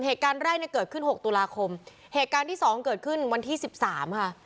เหตุการณ์แรกเนี่ยเกิดขึ้นหกตุลาคมเหตุการณ์ที่สองเกิดขึ้นวันที่สิบสามค่ะ